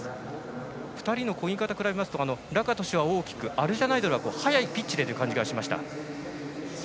２人のこぎ方を比べますとラカトシュは大きくアルジャナイドルは速いピッチでという感じがしました。